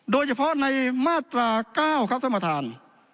โดยเฉพาะในมาตรา๙ครับท่านประธาน